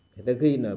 người ta ghi là